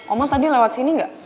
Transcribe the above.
oma tadi lewat sini nggak